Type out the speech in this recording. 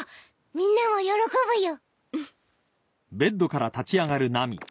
みんなも喜ぶよ